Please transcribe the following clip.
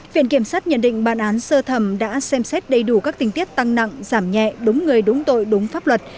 viện kiểm sát nhận định bản án sơ thẩm đã xem xét đầy đủ các tình tiết tăng nặng giảm nhẹ đúng người đúng tội đúng pháp luật